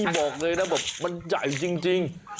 บอกเลยต้องบอกว่ามันใหญ่จริง